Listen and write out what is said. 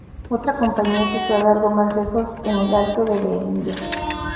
Otra compañía es situada algo más lejos en el alto de Veguilla.